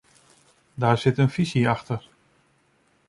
Daar zit een visie achter.